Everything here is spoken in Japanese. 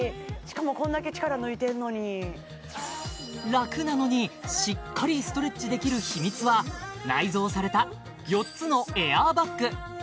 楽なのにしっかりストレッチできる秘密は内蔵された４つのエアーバッグ